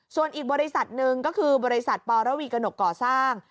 ส่วนอีกบริษัทหนึ่งก็คือบริษัทปรวีกระหนกก่อสร้าง